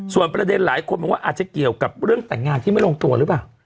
ส่วนประเด็นหลายคนบอกว่าอาจจะเกี่ยวกับเรื่องแต่งงานที่ไม่ลงตัวหรือเปล่า